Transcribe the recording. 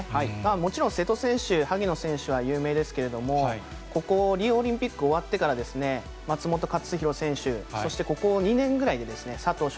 もちろん、瀬戸選手、萩野選手は有名ですけれども、ここ、リオオリンピック終わってから、松元克央選手、そしてここ２年ぐらいで、佐藤翔